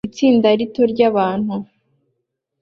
Itsinda rito ryabantu